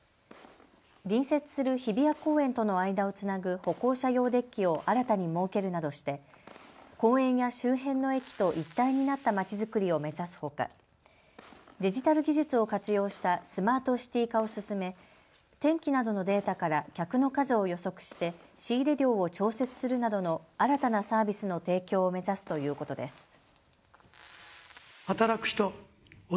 隣接する日比谷公園との間をつなぐ歩行者用デッキを新たに設けるなどして公園や周辺の駅と一体になった街づくりを目指すほか、デジタル技術を活用したスマートシティー化を進め天気などのデータから客の数を予測して仕入れ量を調節するなどの新たなサービスの提供を目指すということです。